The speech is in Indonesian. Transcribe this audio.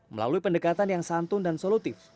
melalui pendekatan yang santun dan solutif